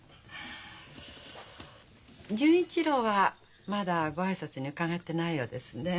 純一郎はまだご挨拶に伺ってないようですね。